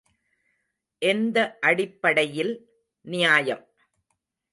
எந்த அடிப்படையில் நியாயம்?